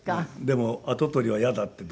でも「跡取りは嫌だ」って。